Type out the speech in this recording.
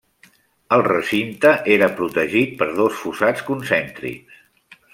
El recinte era protegit per dos fossats concèntrics.